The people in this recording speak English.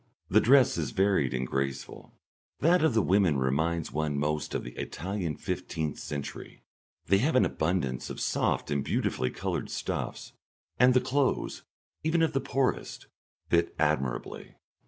The dress is varied and graceful; that of the women reminds one most of the Italian fifteenth century; they have an abundance of soft and beautifully coloured stuffs, and the clothes, even of the poorest, fit admirably.